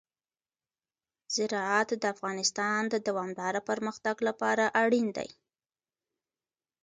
زراعت د افغانستان د دوامداره پرمختګ لپاره اړین دي.